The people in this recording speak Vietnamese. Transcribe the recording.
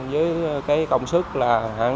với cái công sức là